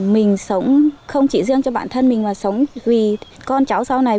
mình sống không chỉ riêng cho bản thân mình mà sống vì con cháu sau này